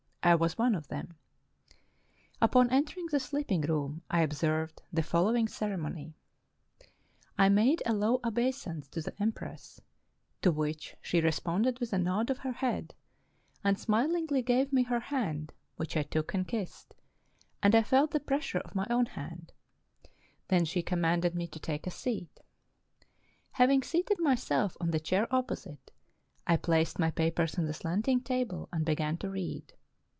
I was one of them. Upon entering the sleeping room, I observed the follow ing ceremony: I made a low obeisance to the empress, to which she responded with a nod of her head, and smil ingly gave me her hand, which I took and kissed, and I felt the pressure of my own hand ; then she commanded me to take a seat. Having seated myself on the chair opposite, I placed my papers on the slanting table and began to read.